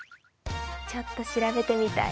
ちょっと調べてみたい。